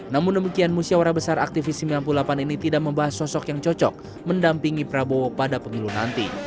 namun demikian musyawarah besar aktivis sembilan puluh delapan ini tidak membahas sosok yang cocok mendampingi prabowo pada pemilu nanti